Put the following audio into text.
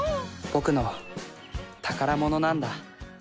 僕の宝物なんだ。